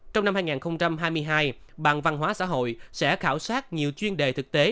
trong năm hai nghìn hai mươi hai bằng văn hóa xã hội sẽ khảo sát nhiều chuyên đề thực tế